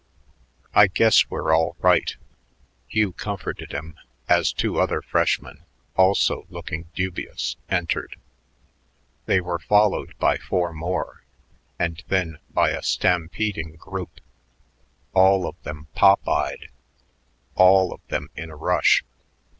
"I guess we're all right," Hugh comforted him as two other freshmen, also looking dubious, entered. They were followed by four more, and then by a stampeding group, all of them pop eyed, all of them in a rush.